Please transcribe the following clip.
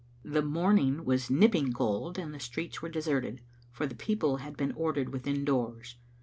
The morning was nipping cold, and the streets were deserted, for the people had been ordered within doors.